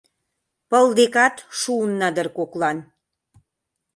Пыл декат шуынна дыр коклан.